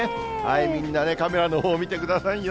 みんなね、カメラのほう見てくださいよ。